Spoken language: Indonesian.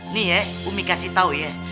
nih umi kasih tahu ya